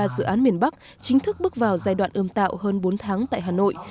ba dự án miền bắc chính thức bước vào giai đoạn ươm tạo hơn bốn tháng tại hà nội